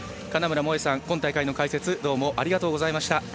金村萌絵さん、今大会の解説どうもありがとうございました。